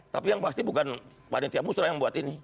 tapi yang pasti bukan panitia musrah yang buat ini